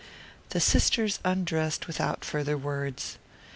The sisters undressed without farther words.